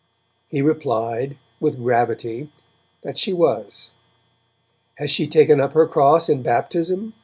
He replied, with gravity, that she was. 'Has she taken up her cross in baptism?'